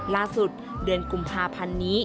ล่าสุดเดือนกุมภาพันนี้